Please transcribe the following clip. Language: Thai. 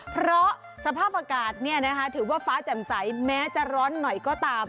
เพราะสภาพอากาศถือว่าฟ้าแจ่มใสแม้จะร้อนหน่อยก็ตาม